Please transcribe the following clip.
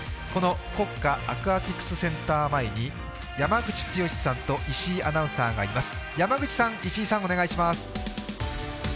この国家アクアティクスセンター前に山口剛史さんと石井アナウンサーがいます。